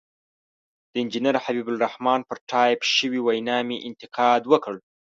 د انجنیر حبیب الرحمن پر ټایپ شوې وینا مې انتقاد وکړ.